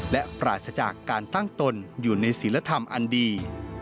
และปราศจากการตั้งตนอยู่ในศิลธรรมอันดี